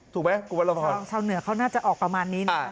ถูกไหมคุณวรพรชาวเหนือเขาน่าจะออกประมาณนี้นะ